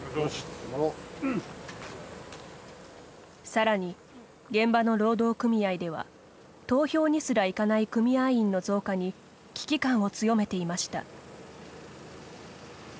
さらに、現場の労働組合では投票にすら行かない組合員の増加に危機感を強めていました。